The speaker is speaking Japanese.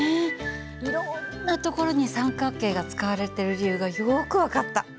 いろんなところに三角形が使われてる理由がよく分かった。